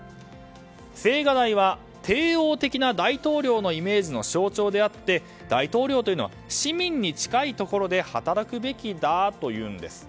青瓦台は帝王的な大統領のイメージの象徴であって大統領というのは市民に近いところで働くべきだというんです。